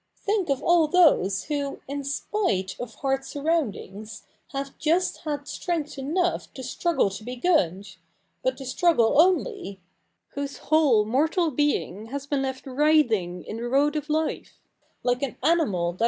Think of all those who, in spite of hard surroundings, have just had strength enough to struggle CH. iv] THI', i nV REPrBLIC 63 to be good, but t^ fftringgle only — whose whole moral being has becA left < writhing in the road of life, like an animal that